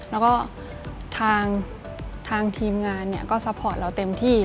แล้วก็ทางทีมงานก็ซัพพอร์ตเราเต็มที่